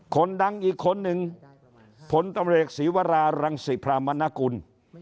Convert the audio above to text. คนดังอีกคนหนึ่งผลตำรวจเอกศีวรารังศิพรามณกุล